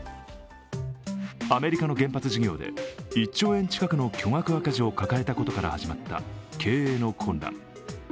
アメリカの原発事業で１兆円近くの巨額赤字を抱えたことから始まった経営の混乱。